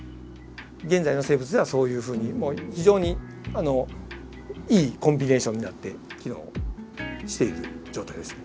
現在の生物ではそういうふうに非常にいいコンビネーションになって機能している状態です。